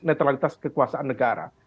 netralitas kekuasaan negara